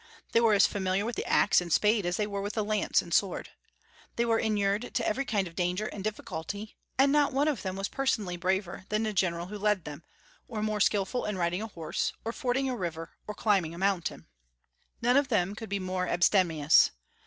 They were as familiar with the axe and spade as they were with the lance and sword. They were inured to every kind of danger and difficulty, and not one of them was personally braver than the general who led them, or more skilful in riding a horse, or fording a river, or climbing a mountain. No one of them could be more abstemious.